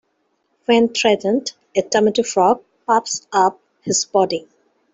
When threatened, a tomato frog puffs up its body.